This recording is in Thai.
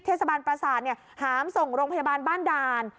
เทศบาลประสาทหามส่งโรงพยาบาลบ้านด่าน